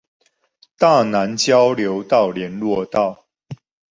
大湳交流道聯絡道